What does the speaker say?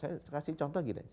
saya kasih contoh gini